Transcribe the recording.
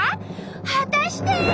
果たして。